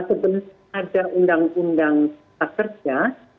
sebelum ada undang undang kerja